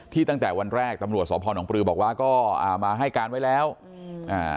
ตั้งแต่วันแรกตำรวจสพนปลือบอกว่าก็อ่ามาให้การไว้แล้วอืมอ่า